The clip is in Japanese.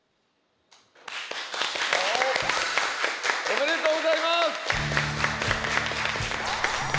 おめでとうございます！